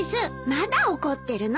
まだ怒ってるの？